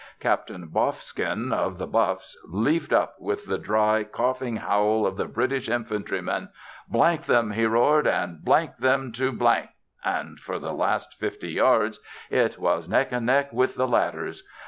Captain Boffskin, of the Buffs, leapt up with the dry coughing howl of the British infantryman. " them," he roared, " them to "; and for the last fifty yards it was neck and neck with the ladders.